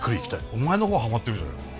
お前の方がハマってるじゃねえか。